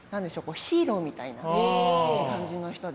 ヒーローみたいな感じの人で。